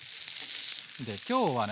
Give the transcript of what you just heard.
で今日はね